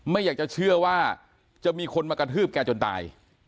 ไม่อยากจะเชื่อว่าจะมีคนมากระทืบแกจนตาย